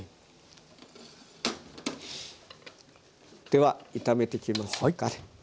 では炒めてきますか。